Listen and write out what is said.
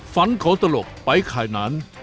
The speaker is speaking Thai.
ฝันขอตลกปายขายนาน